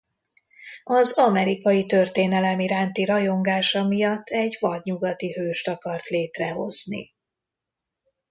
Az amerikai történelem iránti rajongása miatt egy vadnyugati hőst akart létrehozni.